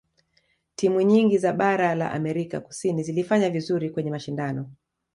timu nyingi za bara la amerika kusini zilifanya vizuri kwenye mashindano